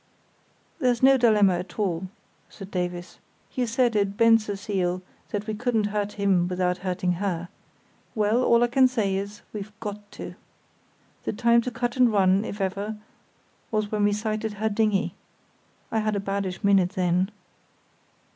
"There's no dilemma at all," said Davies. "You said at Bensersiel that we couldn't hurt him without hurting her. Well, all I can say is, we've got to. The time to cut and run, if ever, was when we sighted her dinghy. I had a baddish minute then."